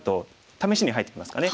試しに入ってみますかね。